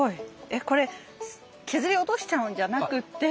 えっこれ削り落としちゃうんじゃなくって。